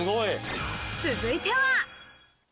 続いては！